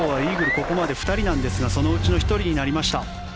ここまで２人なんですがそのうちの１人になりました。